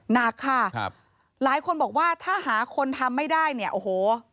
หนักค่ะครับหลายคนบอกว่าถ้าหาคนทำไม่ได้เนี่ยโอ้โห